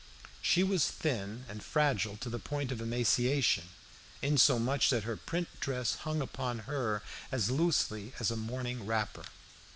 She was thin and fragile to the point of emaciation, insomuch that her print dress hung upon her as loosely as a morning wrapper.